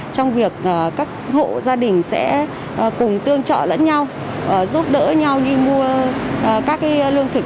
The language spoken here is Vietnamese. trong việc các hộ gia đình sẽ cùng tương trợ lẫn nhau giúp đỡ nhau đi mua các lương thực